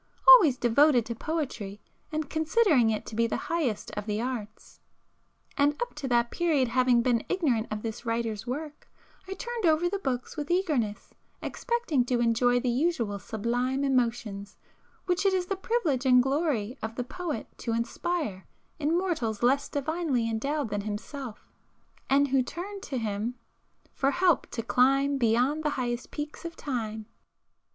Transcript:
Always devoted to poetry, and considering it to be the highest of the arts, and up to that period having been ignorant of this writer's work, I turned over the books with eagerness, expecting to enjoy the usual sublime emotions which it is the privilege and glory of the poet to inspire in mortals less divinely endowed than himself, and who turn to him "for help to climb Beyond the highest peaks of time."